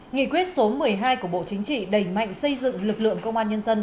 nghị quyết số một mươi hai của bộ chính trị đẩy mạnh xây dựng lực lượng công an nhân dân